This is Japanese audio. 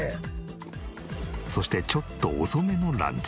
そしてちょっと遅めのランチ。